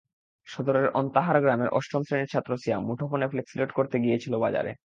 সদরের অন্তাহার গ্রামের অষ্টম শ্রেণির ছাত্র সিয়াম মুঠোফোনে ফ্লেক্সিলোড করতে গিয়েছিল বাজারে।